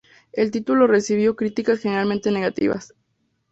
El título recibió críticas generalmente negativas.